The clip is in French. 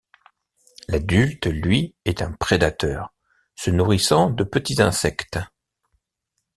L'adulte, lui, est un prédateur, se nourrissant de petits insectes.